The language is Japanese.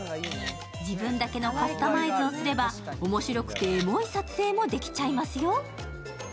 自分だけのカスタマイズをすれば面白くてエモい撮影もできちゃいますよ。